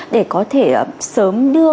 để có thể sớm đưa